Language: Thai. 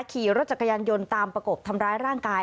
ขี่รถจักรยานยนต์ตามประกบทำร้ายร่างกาย